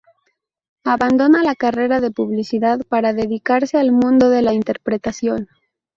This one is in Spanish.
Abandona la carrera de Publicidad para dedicarse al mundo de la interpretación.